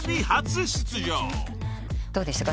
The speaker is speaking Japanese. どうでしたか？